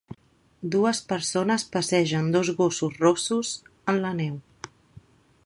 Dues persones passegen dos gossos rossos en la neu.